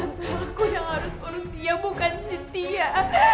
aku yang harus urus dia bukan setia